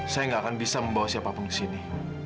saya gak akan bisa membawa siapapun kesini